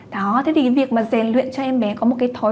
đó thế thì cái việc mà rèn luyện cho em bé có một cái thói